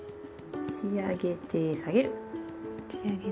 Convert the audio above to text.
持ち上げて下げる。